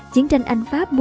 chiến tranh anh pháp bùa bỏ